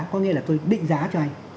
có nghĩa là tôi định giá cho anh